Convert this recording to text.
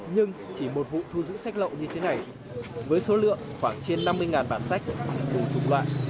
nhưng chỉ một vụ thu giữ sách lậu như thế này với số lượng khoảng trên năm mươi bản sách cùng chủng loại